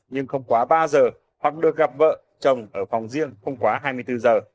nhưng không quá ba giờ hoặc được gặp vợ chồng ở phòng riêng không quá hai mươi bốn giờ